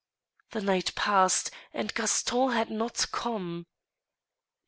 The night passed, and Gaston had not come home.